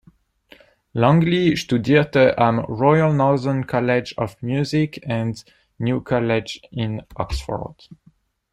Longley studierte am Royal Northern College of Music and New College in Oxford.